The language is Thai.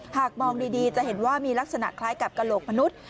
หากมองดีจะเห็นว่ามีลักษณะคล้ายกับกระโหลกมนุษย์